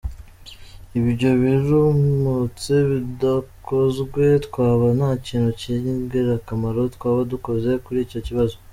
Ibyo biramutse bidakozwe twaba nta kintu cy’ingirakamaro twaba dukoze kuri icyo kibazo.